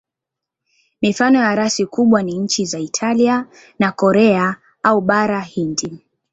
Mifano ya rasi kubwa ni nchi za Italia na Korea au Bara Hindi.